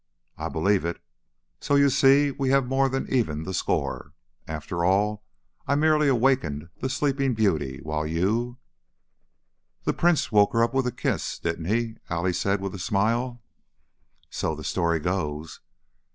"I believe it. So, you see, you have more than evened the score. After all, I merely awakened the Sleeping Beauty, while you " "The prince woke her up with a kiss, didn't he?" Allie said, with a smile. "So the story goes.